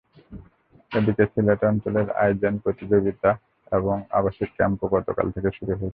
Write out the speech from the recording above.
এদিকে সিলেট অঞ্চলের আই-জেন প্রতিযোগিতা এবং আবাসিক ক্যাম্পও গতকাল থেকে শুরু হয়েছে।